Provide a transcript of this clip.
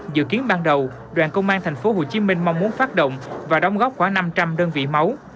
dự kiến ban đầu đoàn công an tp hcm mong muốn phát động và đóng góp khoảng năm trăm linh đơn vị máu